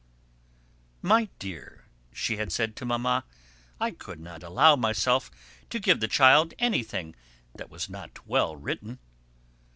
"My dear," she had said to Mamma, "I could not allow myself to give the child anything that was not well written."